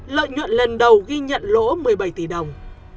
lợi nhuận lần đầu ghi nhận lỗ một mươi bảy tỷ đồng